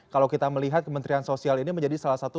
kalau kita melihat kementerian sosial ini menjadi salah satu